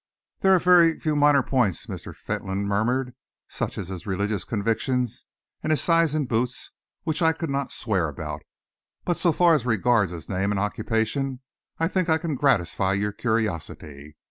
"There are a few minor points," Mr. Fentolin murmured, "such as his religious convictions and his size in boots, which I could not swear about, but so far as regards his name and his occupation, I think I can gratify your curiosity.